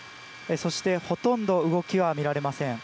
そしてほとんど動きは見られません。